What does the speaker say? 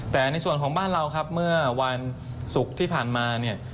แต่ในส่วนของบ้านเราครับเมื่อวันศุกร์ที่ผ่านมาเนี่ย